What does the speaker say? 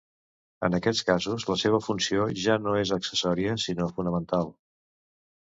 En aquests casos la seva funció ja no és accessòria sinó fonamental.